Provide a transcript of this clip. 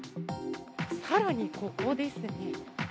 さらにここですね。